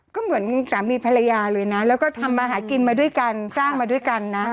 ก็เหมือนสามีภรรยาเลยนะแล้วก็ทำมาหากินมาด้วยกันสร้างมาด้วยกันนะ